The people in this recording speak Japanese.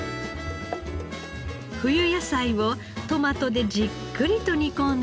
冬野菜をトマトでじっくりと煮込んだ逸品。